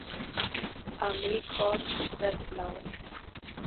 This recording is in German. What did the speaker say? Armeekorps (Breslau).